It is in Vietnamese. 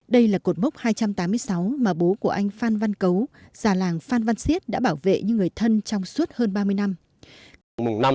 đây là cột mốc hai trăm tám mươi sáu mà bố của anh phan văn cấu già làng phan văn siết đã bảo vệ như người thân trong suốt hơn ba mươi năm